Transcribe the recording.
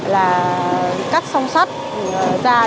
là cắt song sắt ra ngoài